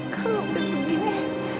kalau udah begini